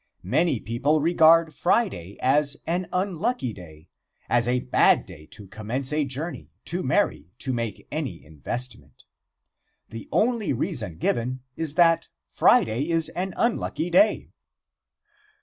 Many people regard Friday as an unlucky day as a bad day to commence a journey, to marry, to make any investment. The only reason given is that Friday is an unlucky day.